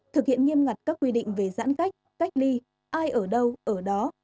thực hiện nghiêm ngặt các quy định về giãn cách cách ly ai ở đâu ở đó